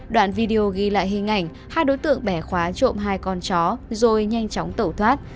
đoạn video ghi lại hình ảnh hai đối tượng bẻ khóa trộm hai con chó rồi nhanh chóng tẩu thoát